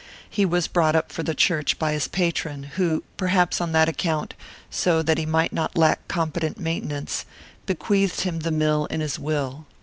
He was brought up for the Church by his patron, who, perhaps on that account, so that he might not lack competent maintenance, bequeathed him the mill in his will.